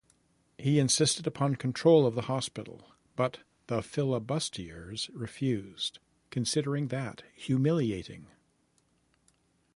He insisted upon control of the hospital, but the "flibustiers" refused, considering that humiliating.